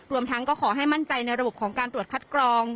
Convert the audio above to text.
รวมทั้งก็ขอให้มั่นใจในระบบของการตรวจคัดกรอง